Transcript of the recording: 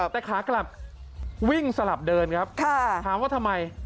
แต่ขากลับวิ่งสลับเดินครับถามว่าทำไม